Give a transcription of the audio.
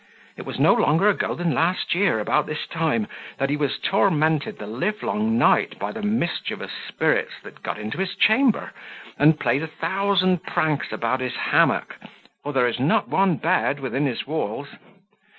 It was no longer ago than last year about this time, that he was tormented the livelong night by the mischievous spirits that got into his chamber, and played a thousand pranks about his hammock, for there is not one bed within his walls.